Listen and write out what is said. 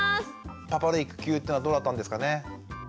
パパの育休っていうのはどうだったんですかね。